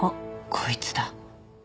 こいつだ。